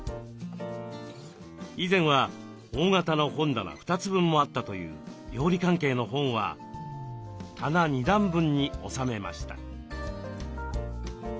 以前は大型の本棚２つ分もあったという料理関係の本は棚２段分に収めました。